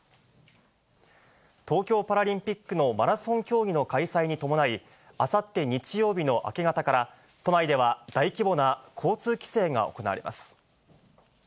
東京パラリンピックのマラソン競技の開催に伴い、あさって日曜日の明け方から、都内では大規模な交通規制が行われます。